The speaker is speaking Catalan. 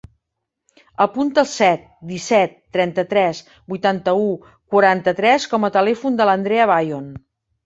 Apunta el set, disset, trenta-tres, vuitanta-u, quaranta-tres com a telèfon de l'Andrea Bayon.